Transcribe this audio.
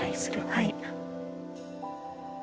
はい。